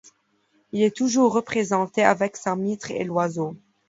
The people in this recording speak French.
Il est toujours représenté avec sa mitre et l'oiseau.